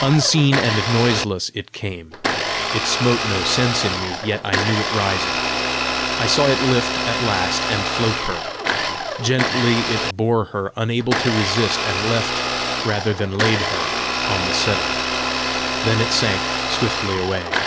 Unseen and noiseless it came. It smote no sense in me, yet I knew it rising. I saw it lift at last and float her. Gently it bore her, unable to resist, and left rather than laid her on the settle. Then it sank swiftly away.